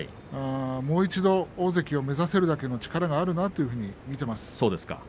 もう一度大関を目指せるだけの力はあるなと見ています。